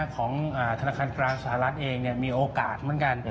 ของธนาคารกลางสหรัฐเองมีโอกาสเหมือนกัน